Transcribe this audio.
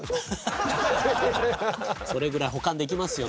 それぐらい補完できますよ